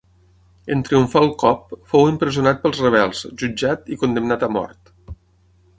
En triomfar el cop fou empresonat pels rebels, jutjat i condemnat a mort.